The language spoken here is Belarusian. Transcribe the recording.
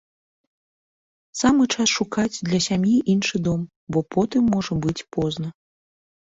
Самы час шукаць для сям'і іншы дом, бо потым можа быць позна.